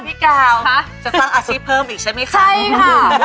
พี่กาวจะสร้างอาชีพเพิ่มอีกใช่ไหมคะใช่ค่ะ